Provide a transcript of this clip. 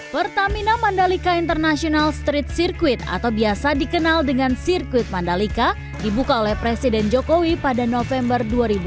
pertamina mandalika international street circuit atau biasa dikenal dengan sirkuit mandalika dibuka oleh presiden jokowi pada november dua ribu dua puluh